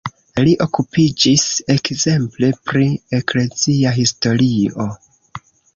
Li okupiĝis ekzemple pri eklezia historio.